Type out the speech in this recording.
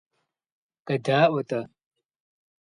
КъедаӀуэ-тӀэ.